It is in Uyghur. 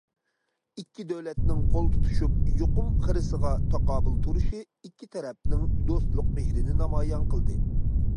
ئىككى دۆلەتنىڭ قول تۇتۇشۇپ يۇقۇم خىرىسىغا تاقابىل تۇرۇشى ئىككى تەرەپنىڭ دوستلۇق مېھرىنى نامايان قىلدى.